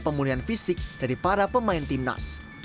pemulihan fisik dari para pemain timnas